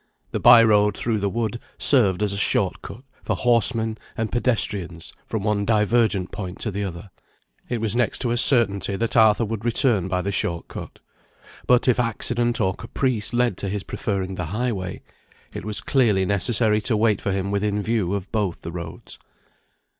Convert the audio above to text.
The by road through the wood served as a short cut, for horsemen and pedestrians, from one divergent point to the other. It was next to a certainty that Arthur would return by the short cut. But if accident or caprice led to his preferring the highway, it was clearly necessary to wait for him within view of both the roads.